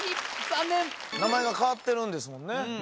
残念名前が変わってるんですもんね